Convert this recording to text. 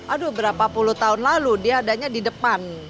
aduh berapa puluh tahun lalu dia adanya di depan